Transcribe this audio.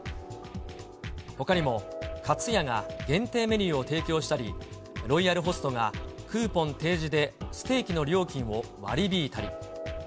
ほかにも、かつやが限定メニューを提供したり、ロイヤルホストがクーポン提示でステーキの料金を割り引いたり。